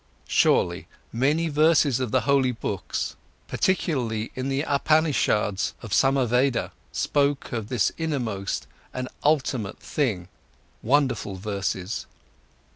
Surely, many verses of the holy books, particularly in the Upanishades of Samaveda, spoke of this innermost and ultimate thing, wonderful verses.